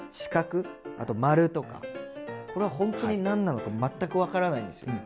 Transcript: あと「○」とかこれはほんとに何なのか全く分からないんですよ。